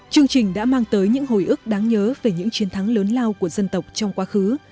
chương trình đã mang tới những hồi ước đáng nhớ về những chiến thắng lớn lao của dân tộc trong quá khứ